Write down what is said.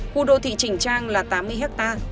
khu đô thị chỉnh trang là tám mươi ha